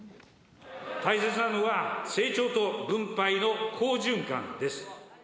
大切なのは、成長と分配の好循環です。